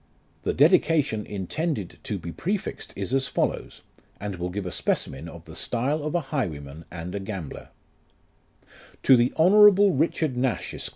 2 The dedication intended to be prefixed is as follows, and will give a specimen of the style of a highwayman and a gambler : "To THE HoifOTTKABLE RlCHARD NASH, ESQ.